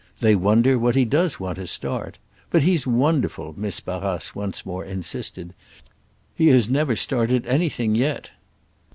They wonder what he does want to start. But he's wonderful," Miss Barrace once more insisted. "He has never started anything yet."